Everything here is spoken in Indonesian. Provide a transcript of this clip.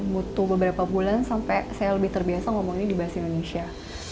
butuh beberapa bulan sampai saya lebih terbiasa ngomongnya di bahasa indonesia